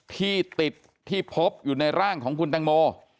ที่ติดที่พบอยู่ในร่างของคุณตังโม